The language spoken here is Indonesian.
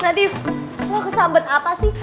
nadif lo kesambet apa sih